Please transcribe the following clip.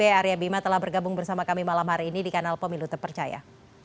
dan juga politikus pdip arya bima telah bergabung bersama kami malam hari ini di kanal pemilu terpercaya